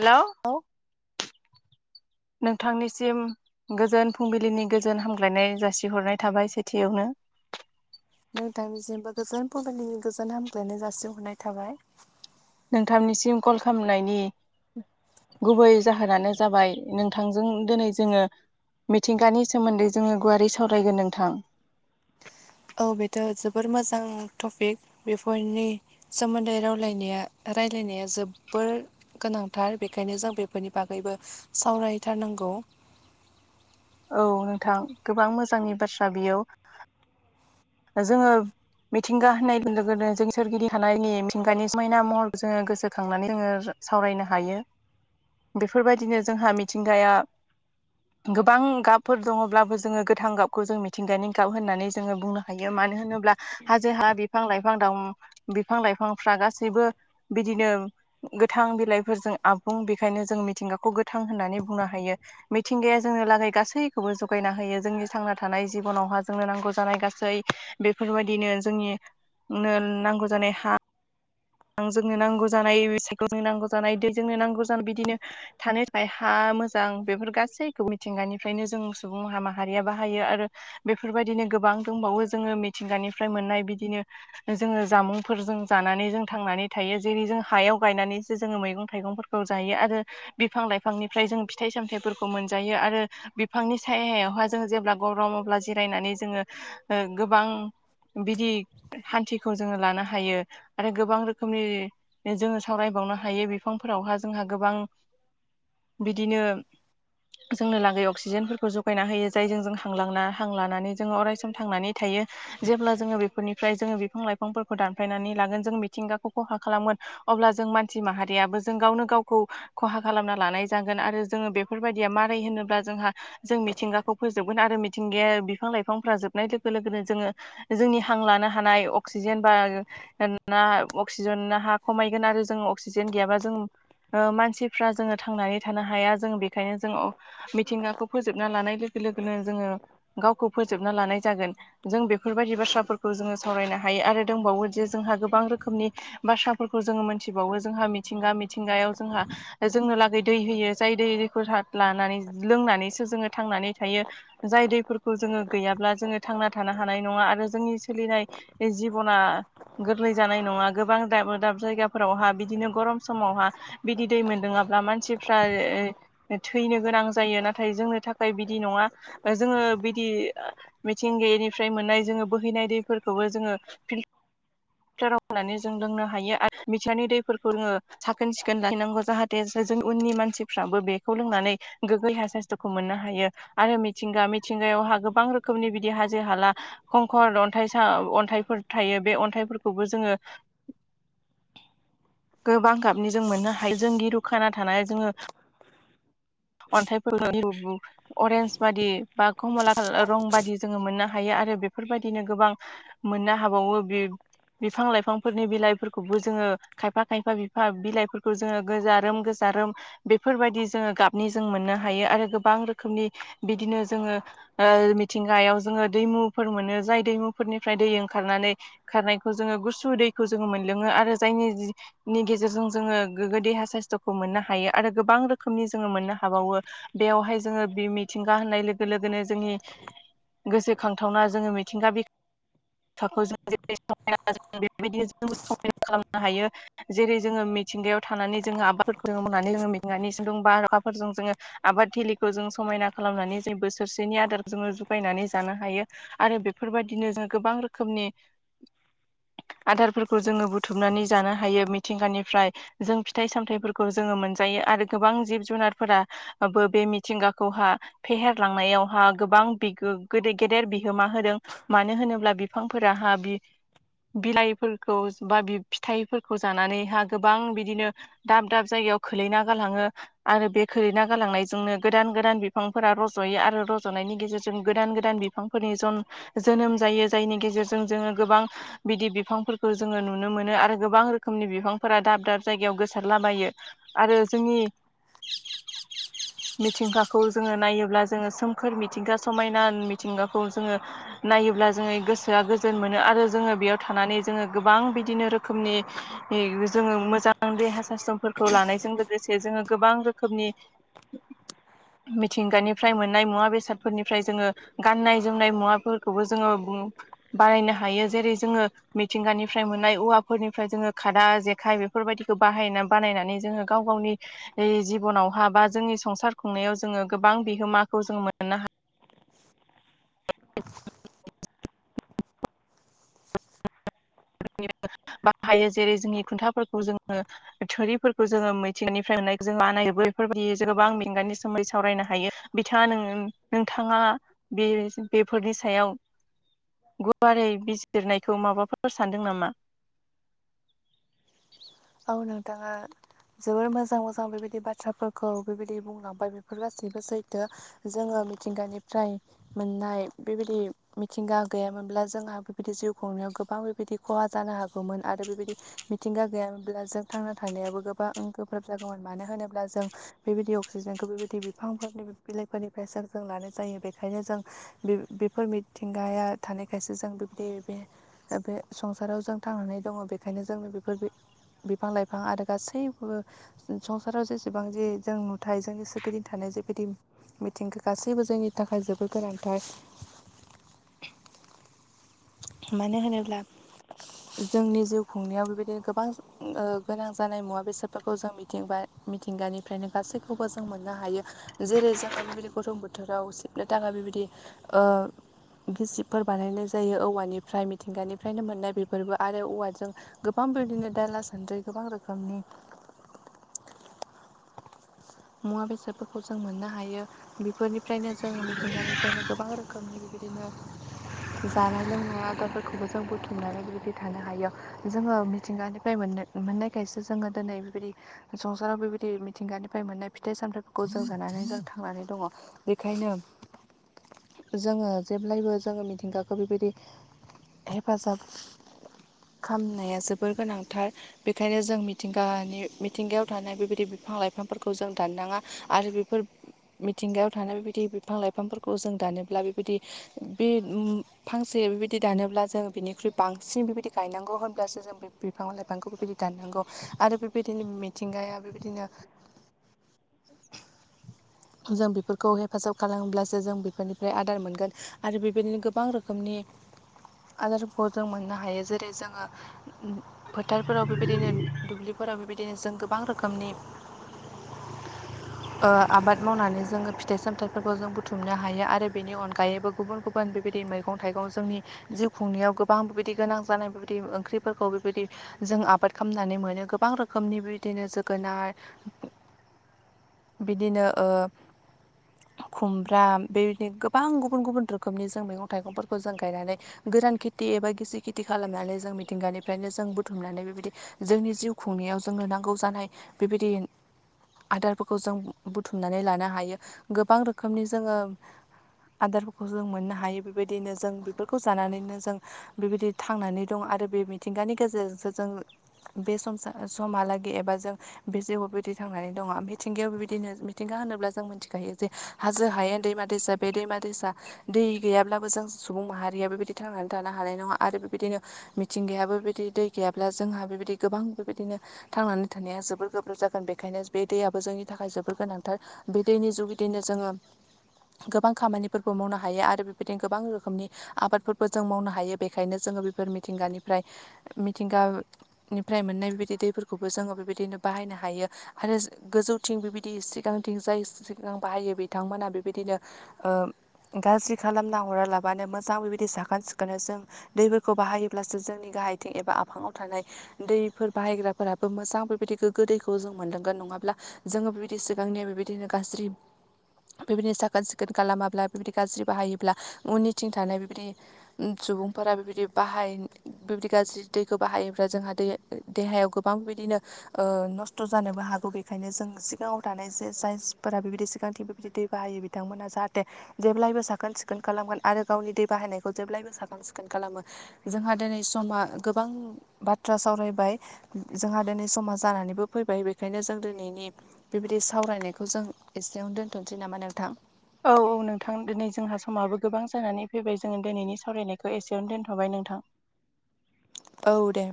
हेल' औ नोंथांनिसिम गोजोन फुंबिलिनि गोजोन हामग्लायनाय जासिहरनाय थाबाय सेथियावहाय नोंथांनि जेनबा गोजोन फुंबिलिनि गोजोन हामग्लायनाय जासिहरनाय थाबाय नोंथांनिसिम कल खालामनायनि गुबै जाहोनानो जाबाय नोंथांजों दिनै जोङो मिथिंगानि सोमोन्दै जोङो गुवारै सावरायगोन नोंथां औ बेथ' जोबोर मोजां टपिक बेफोरनि सोमोन्दै रलायनाया रायलायनाया जोबोर गोनांथार बेखायनो जों बेफोरनि बागैबो सावरायथारनांगौ औ नोंथां गोबां मोजांनि बाथ्रा बेयो जोङो मिथिंगा होननाय लोगो नों जोंनि सोरगिदिं थानायनि मिथिंगानि समायना महरखौ जोङो गोसोखांनानै जोङो सावरायनो हायो बेफोरबायदिनो जोंहा मिथिंगाया गोबां गाबफोर दङ'ब्लाबो जोङो गोथां गाबखौ जों मिथिंगानि गाब होननानै जोङो बुंनो हायो मानो होनोब्ला हाजो हा बिफां लाइफां द बिफां लाइफांफ्रा गासैबो बिदिनो गोथां बिलाइफोरजों आबुं बेखायनो जों मिथिंगाखौ गोथां होननानै बुंनो हायो मिथिंगाया जोंनो लागै गासैखौबो जगायना होयो जोंनि थांना थानाय जिबनावहा जोंनो नांगौ जानाय गासै बेफोरबायदिनो जोंनिनो नांगौ जानाय हा ओं जोंनो नांगौ जानाय सायखेल जोंनो नांगौ जानाय दैजोंनो नांगौ जानाय बिदिनो थानो थाखाय हा मोजां बेफोर गासैखौ मिथिंगानिफ्रायनो जों सुबुं माहारिया बाहायो आरो बेफोरबायदिनो गोबां दंबावो जोङो मिथिंगानिफ्राय मोननाय बिदिनो जोङो जामुंफोरजों जानानै जों थांनानै थायो जेरै जों हायाव गायनानैसो जोङो मैगं थाइगंफोरखौ जायो आरो बिफां लाइफांनिफ्राय जों फिथाइ सामथाइफोरखौ मोनजायो आरो बिफांनि सायायावहाय जोङो जेब्ला गरम अब्ला जिरायनानै जोङो गोबां बिदि हान्थिखौ जोङो लानो हायो आरो गोबां रोखोमनि जोङो सावरायबावनो हायो बिफांफोरावहा जोंहा गोबां बिदिनो जोंनो लागै अक्सिजेनफोरखौ जगायना होयो जायजों जों हां लाना हां लानानै जोङो अराय सम थांनानै थायो जेब्ला जोङो बेफोरनिफ्राय जोङो बिफां लाइफांफोरखौ दानफायनानै लागोन जों मिथिंगाखौ खहा खालामगोन अब्ला जों मानसि माहारियाबो जों गावनो गावखौ खहा खालामना लानाय जागोन आरो जोङो बे फोरबायदिया मारै होनोब्ला जोंहा जों मिथिंगाखौ फोजोबगोन आरो मिथिंगाया बिफां लाइफांफ्रा जोबनाय लोगो लोगोनो जोङो जोंनि हां लानो हानाय अक्सिजेन बा ना अक्सिजेन हा खमायगोन आरो जों अक्सिजेन गैयाबा जों ओ मानसिफ्रा जोङो थांनानै थानो हाया जों बेखायनो जोङो ओ मिथिंगाखौ फोजोबना लानाय लोगो लोगोनो जोङो गावखौ फोजोबना लानाय जागोन जों बेफोरबायदि बाथ्राफोरखौ जोङो सावरायनो हायो आरो दंबावो जे जोंहा गोबां रो नि बाथ्राफोरखौ जोङो मोनथिबावो जोंहा मिथिंगा मिथिंगायाव जोंहा जोंनो लागै दै होयो जाय दै दैखौ लानानै लोंनानैसो जोङो थांनानै थायो जाय दैफोरखौ जोङो गैयाब्ला जोङो थांना थानो हानाय नङा आरो जोंनि सोलिनाय बे जिब'ना गोरलै जानाय नङा गोबां दाब दाब जायगाफोरावहा बिदिनो गरम समावहा बिदि दै मोनलोङाब्ला मानसिफ्रा थैनो गोनां जायो नाथाय जोंनो थाखाय बिदि नङा जोङो बिदि मिथिंगानिफ्राय मोननाय जोङो बोहैनाय दैफोरखौबो जोङो फिल फिलटाराव होनानै जों लोंनो हायो आरो मिटारनि दैफोरखौ जोङो साखोन सिखोन लायनांगौ जाहाथे जों उननि मानसिफ्राबो बेखौ लोंनानै गोग्गो हा साइसस्थ'खौ मोननो हायो आरो मिथिंगा मिथिंगायावहा गोबां रोखोमनि बिदि हाजो हाला खंखर अन्थाइसा अन्थाइफोर थायो बे अन्थाइफोर खौबो जोङो गोबां गाबनि जों मोननो हायो जोंदि दुखाना थानाय जोङो अन्थाइ अरेन्ज बादि बा कमला रं बादि [unintelligible] जोङो मोननो हायो आरो बेफोरबायदिनो गोबां मोननो हाबावो बे बिफां लाइफांफोरनि बिलाइफोरखौबो जोङो खायफा खायफा बिफा बिलाइफोरखौ जोङो गोजा रोम गोजा रोम बेफोरबायदि जोङो गाबनि जों मोननो हायो आरो गोबां रोखोमनि बिदिनो जोङो ओ मिथिंगायाव जोङो दैमुफोर मोनो जाय दैमुफोरनिफ्राय दै ओंखारनानै खारनाय खौ जोङो गुसु दैखौ जोङो मोनलोङो आरो जायनि जि नि गेजेरजों जोङो गोग्गो देहा साइस्थ'खौ मोननो हायो आरो गोबां रोखोमनि जोङो मोननो हाबावो बेयावहाय जोङो मिथिंगा होननाय लोगो लोगोनो जोंनि गोसोखांथावना जोङो मिथिंगा बिखाखौ जों जेरै [unintelligible] [unintelligible] बेबायदि जों समाय खालामनो हायो [unintelligible] जेरै जोङो मिथिंगायाव थानानै जोङो आबादफोरखौ जोङो [unintelligible] मावनानै जोङो मिथिंगानि सानदुं बार अखाफोरजों जोङो आबाद थिलिखौ जों समायना खालामनानै जों बोसोरसेनि आदार जोङो जुगायनानै जानो हायो आरो बेफोरबायदिनो जों गोबां रोखोमनि आदारफोरखौ जोङो बुथुमनानै जानो हायो मिथिंगानिफ्राय जों फिथाइ सामथाइफोरखौ जोङो मोनजायो आरो गोबां जिब जुनारफोरा बो बे मिथिंगाखौहा फेहेरलांनायावहा गोबां बि गेदेर बिहोमा होदों मानो होनोब्ला बिफांफोराहा बि बिलाइफोरखौ बा फिथाइफोरखौ जानानैहा गोबां बिदिनो दाब दाब जायगायाव खोलैना गालाङो आरो बे खोलैना गालांनायजोंनो गोदान गोदान बिफांफोरा रज'यो आरो रज'नायनि गेजेरजों गोदान गोदानफ बिफांफोरनि जन जोनोम जायो जायनि गेजेरजों जोङो गोबां बिदि बिफांफोरखौ जोङो नुनो मोनो आरो गोबां रोखोमनि बिफांफोरा दाब दाब जायगायाव गोसारलाबायो आरो जोंनि मिथिंगाखौ जोङो नायोब्ला जोङो सोमखोर मिथिंगा समायना मिथिंगाखौ जोङो नायोब्ला जोङो गोसोआ गोजोन मोनो आरो जोङो बेयाव थानानै जोङो गोबां बिदिनो रोखोमनि जोङो मोजां देहा साइसथफोरखौ लानायजों लोगोसे जोङो गोबां रोखोमनि मिथिंगानिफ्राय मोननाय मुवा बेसादफोरनिफ्राय जोङो गाननाय जोमनाय मुवाफोरखौबो जोङो बानायनो हायो जेरै जोङो मिथिंगानिफ्राय मोननाय औवाफोरनिफ्राय जोङो खादा जेखाय बेफोरबायदिखौ बाहायना बानायनानै जोङो गाव गावनि जिबनावहा बा जोंनि संसार खुंनायाव जोङो गोबां बिहोमाखौ जों मोननो हायो [inaudible] बाहायो जेरै जोंनि खुन्थाफोरखौ जोङो थोरिफोरखौ जोङो मिथिंगानिफ्राय मोननाय जों बानायोबो बेफोरबायदि गोबां मिथिंगानि सोमोनदै सावरायनो हायो बिथाङा नो नोंथाङा बे बेफोरनि सायाव गुवारै बिजिरनायखौ माबाफोर सानदों नामा औ नोंथाङा जोबोर मोजां मोजां बेबायदि बाथ्राफोरखौ बेबायदि बुंलांबाय बेफोर गासैबो सैथो जोङो मिथिंगानिफ्राय मोननाय बेबायदि मिथिंगा गैयामोनब्ला जोंहा बेबायदि जिउ खुंनायाव गोबां बेबायदि खहा जानो हागौमोन आरो बेबायदि मिथिंगा गैयामोनब्ला जों थांना थानायाबो गोबां गोब्राब जागौमोन मानो होनोब्ला जों बेबायदि अक्सिजेनखौ बेबायदि बिफांफोरनि बिलाइफोरनिफ्रायसो जों लानाय जायो बेखायनो जों बे बेफोर मिथिंगाया थानायखायसो जों बेबायदि बे दा बे संसाराव जों थांनानै दङ बेखायनो जोंनो बे बेफोर बिफां लाइफां आरो गासैबो संसाराव जेसेबां जे जों नुथाय जोंनि सोरगिदिं थानाय जेबायदि मिथिंगा गासैबो जोंनि थाखाय जोबोर गोनांथार मानो होनोब्ला जोंनि जिउ खुंनायाव बेबायदिनो गोबां ओ गोनां जानाय मुवा बेसादफोरखौ जों मिथिंगा मिथिंगानिफ्रायनो गासैखौबो जों मोननो हायो जेरै जोङो बेबायदि गरम बोथोराव सिबनो थाखाय बेबायदि ओ गिसिबफोर बानायनाय जायो औवानिफ्राय मिथिंगानिफ्रायनो मोननाय बेफोरबो आरो औवाजों गोबां बिदिनो दाला सान्द्रि गोबां रोखोमनि मुवा बेसादफोरखौ जों मोननो हायो बेफोरनिफ्रायनो जों मिथिंगानिफ्रायनो गोबां रोखोम रोखोमनि बिदिनो जानाय लोंनाय आदारफोरखौबो जों बुथुमनानै बिदि थानो हायो जोङो मिथिंगानिफ्राय मोननो मोननायखायसो जोङो दिनै बेबायदि संसाराव बेबायदि मिथिंगानिफ्राय मोननाय फिथाइ सामथाइफोरखौ जों जानानै जों थांनानै दङ बेखायनो जोङो जेब्लायबो जोङो मिथिंगाखौ बेबायदि हेफाजाब खामनाया जोबोर गोनांथार बेखायनो जों मिथिंगानि मिथिंगायाव थानाय बेबायदि बिफां लाइफांफोरखौ जों दाननाङा आरो बेफोर मिथिंगायाव थानाय बेबायदि बिफां लाइफांफोरखौ जों दानोब्ला बेबायदि बे फांसे बेबायदि दानोब्ला जों बिनिख्रुइ बांसिन बेबायदि गायनांगौ होनब्लासो जों बे बिफां लाइफांखौ बेबायदि दाननांगौ आरो बेबायदिनो मिथिंगाया बेबायदिनो जों बेफोरखौ हेफाजाब खालामोब्लासो जों बेफोरनिफ्राय आदार मोनगोन आरो बेबायदिनो गोबां रोखोमनि आदारफोरखौ जों मोननो हायो जेरै जोङो ओ फोथारफोराव बेबायदिनो दुब्लिफोराव बिदिनो बिदिनो जों गोबां रोखोमनि ओ आबाद मावनानै जोङो फिथाइ-सामथाइफोरखौ जों बुथुमनो हायो आरो बेनि अनगायैबो गुबुन गुबुन बेबायदि मै मैगं थाइगं जोंनि जिउ खुंनायाव गोबां बेबायदि गोनां जानाय बेबायदि ओंख्रिफोरखौ बेबादि जों आबाद खामनानै मोनो गोबां रोखोमनि बिदिनो जोगोनार [inaudible] बिदिनो ओ खुमब्रा बेबादिनो गोबां गुबुन गुबुन रोखोमनि जों मैगं-थाइगंफोरखौ जों गायनानै गोरान खेथि एबा गिसि खिथि खालामनानै जों मिथिंगानिफ्रायनो जों बुथुमनानै बेबादि जोंनि जिउ खुंनायाव जोंनो नांगौ जानाय बेबायदि आदारफोरखौ जों बुथु बुथुमनानै लानो हायो गोबां रोखोमनि जोङो आदारफोरखौ जों मोननो हायो बेबायदिनो जों बेफोरखौ जानानैनो जों बेबायदि थांनानै दं आरो बे मिथिंगानि गेजेरजोंसो जों ओ बे संसा समहालागै एबा जों बे जिउआव बेबायदि थांनानै दङ मिथिंगायाव बेबायदिनो मिथिंगा होनोब्ला जों मिथिखायो जे हाजो हायेन दैमा दैसा बे दैमा-दैसा दै गैयाब्लाबो जों सुबुं माहारिया बेबायदि थांनानै थानो हानाय नङा आरो बेबादिनो मिथिंगायाबो बेबायदि दै गैयाब्ला जोंहा बेबायदि गोबां बेबादिनो थांनानै थानाया जोबोर गोब्राब जागोन बेखायनो बे दैयाबो जोंनि थाखाय जोबोर गोनां। बे ओ दैनि जुगिदिनो जोङो गोबां खामानिफोरबो मावनो हायो आरो बेबायदिनो गोबां रोखोमनि आबादफोरबो जों मावनो हायो बेखायनो जोङो बेफोर मिथिंगानिफ्राय मिथिंगा निफ्राय मोननाय बेबायदि दैफोरखौबो जोङो बेबायदिनो बाहायनो हायो आरो ओ गोजौथिं बेबायदि एसे सिगांथिं जाय सिगां बाहायो बिथांमोना बेबादिनो ओ गाज्रि खालामना हरालाबानो मोजां बेबायदि साखोन सिखोनै जों दैफोरखौ बाहायोब्लासो जोंनि गाहायथिं एबा आफाङाव थानाय दैफोर बाहायग्राफोराबो मोजां बेबायदि गोग्गो दैखौ जों मोनलांगोन नङाब्ला जोङो बे बादिसो बिांनिया बेबादिनो गाज्रि बेबायदि साखोन सिखोन खालामाब्ला बेबायदि गाज्रि बाहायोब्ला उननिथिं थानाय बिदि सुबुंफोरा बेबायदि बाहाय बेबायदि गाज्रि दैखौ बाहायोब्ला जोंहा दै। देहायाव गोबां बिदिनो ओ नस्थ' जानोबो हागौ बेखायनो जों सिगाङाव थानाय जे जायफोरा बेबायदि सिगांथिं बेबायदि दै बाहायो बिथांमोना जाहाथे जेब्लायबो साखोन सिखोन खालामगोन आरो गावनि दै बाहायनायखौ जेब्लायबो साखोन सिखोन खालामो। जोंहा दिनै समा गोबां बाथ्रा सावरायबाय। जाहा दिनै समाज जानानैबो फैबाय बेखायनो जों दिनैनि ओ बिदि सावरायनायखौ जों एसेयावनो दोनथ'नोसै नामा नोंथां? औ औ नोंथां दिनै जोंहा समाबो गोबां जानानै फैबाय जोङो दिनैनि सावरायनायखौ एसेयावनो दोनथ'बाय नोंथां। औ दे।